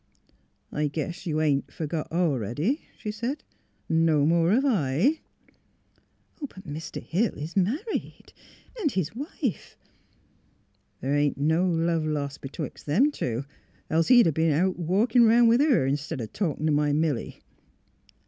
" I guess you ain't f ergot a 'ready," she said, *' n' more hev I." *' But Mr. Hill is married, and his wife "*' The' ain't no love lost betwixt them two, else he'd a b'en out walkin' round with her, 'stead o' talkin't'myMilly."